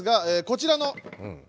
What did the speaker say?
こちらの。